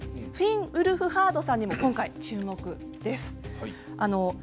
フィン・ウルフハードさんにも注目です。